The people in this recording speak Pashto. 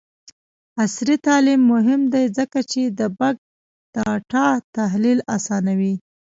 عصري تعلیم مهم دی ځکه چې د بګ ډاټا تحلیل اسانوي.